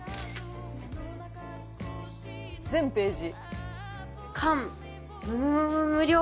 「全ページ」